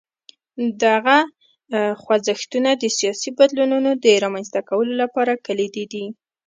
دغه خوځښتونه د سیاسي بدلونونو د رامنځته کولو لپاره کلیدي دي.